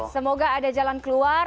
semoga ada jalan keluar